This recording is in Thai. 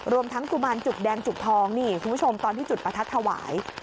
รวมทั้งกุมารจุกแดงจุกทองนี่คุณผู้ชมตอนที่จุดประทัดถวาย